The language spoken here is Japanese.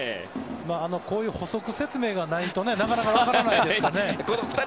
補足説明がないとなかなか分からないですよね。